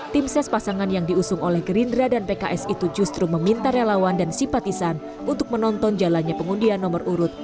tim ses pasangan yang diusung oleh gerindra dan pks itu justru meminta relawan dan simpatisan untuk menonton jalannya pengundian nomor urut